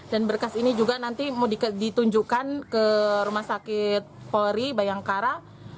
dan berkas ini juga nanti ditunjukkan ke rumah sakit polri bayangkara